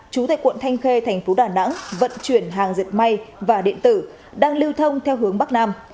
chú tại quận thanh khê thành phố đà nẵng vận chuyển hàng dệt may và điện tử đang lưu thông theo hướng bắc nam